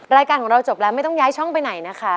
รายการของเราจบแล้วไม่ต้องย้ายช่องไปไหนนะคะ